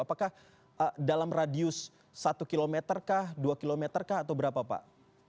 apakah dalam radius satu km kah dua km kah atau berapa pak